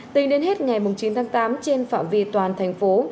tính đến hết ngày chín tháng tám trên phạm vi toàn thành phố